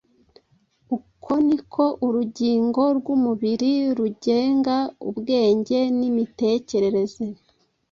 Uko ni ko urugingo rw’umubiri rugenga ubwenge n’imitekerereze